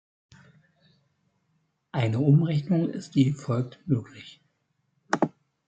Eine Umrechnung ist wie folgt möglich.